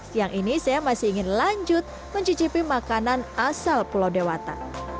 siang ini saya masih ingin lanjut mencicipi makanan asal pulau dewata